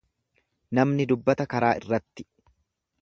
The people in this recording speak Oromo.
Namni dubbata karaa irratti.